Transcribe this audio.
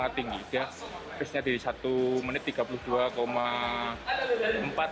kemudian konsisten mulai sampai di sesi pemanasan tadi juga terdepan